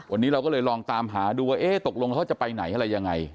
วันนี้เราก็เลยลองตามหาดูว่าเอ๊ะตกลงเขาจะไปไหนอะไรยังไง